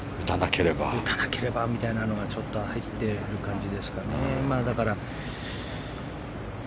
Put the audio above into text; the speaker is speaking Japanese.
打たなければみたいなのがちょっと入っている感じですかね。